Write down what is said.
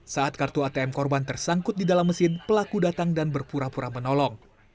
saat kartu atm korban tersangkut di dalam mesin pelaku datang dan berpura pura menolong